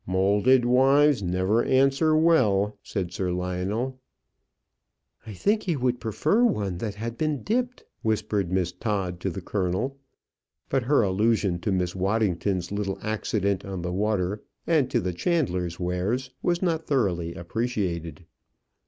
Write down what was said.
"Moulded wives never answer well," said Sir Lionel. "I think he would prefer one that had been dipped," whispered Miss Todd to the colonel; but her allusion to Miss Waddington's little accident on the water, and to the chandler's wares, was not thoroughly appreciated.